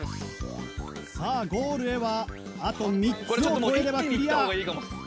さあゴールへはあと３つを越えればクリア！